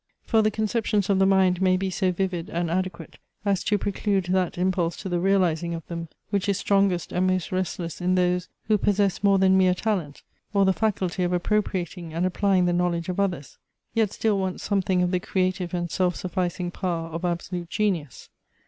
For the conceptions of the mind may be so vivid and adequate, as to preclude that impulse to the realizing of them, which is strongest and most restless in those, who possess more than mere talent, (or the faculty of appropriating and applying the knowledge of others,) yet still want something of the creative and self sufficing power of absolute genius.